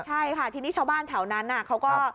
ใช่ค่ะทีนี้ชาวบ้านแถวนั้นเขาก็